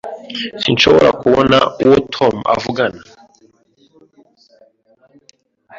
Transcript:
Sinshobora kubona uwo Tom avugana.